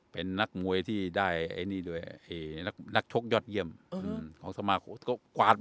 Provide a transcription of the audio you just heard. เป็นนักหมวยที่ได้นักชกยอดเยี่ยมของสมาคม